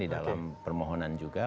dalam permohonan juga